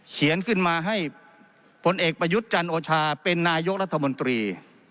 เขียนขึ้นมาให้ผลเอกประยุทธ์จันโอชาเป็นนายกรัฐมนตรี